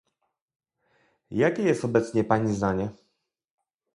Jakie jest obecnie Pani zdanie?